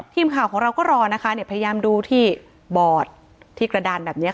ทีมข่าวของเราก็รอนะคะเนี่ยพยายามดูที่บอดที่กระดานแบบนี้ค่ะ